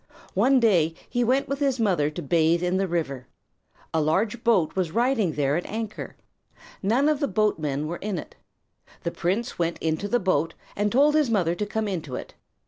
One day he went with his mother to bathe in the river. A large boat was riding there at anchor. None of the boatmen were in it. The prince went into the boat, and told his mother to come into it.